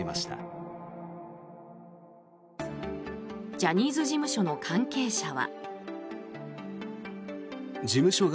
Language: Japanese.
ジャニーズ事務所の関係者は。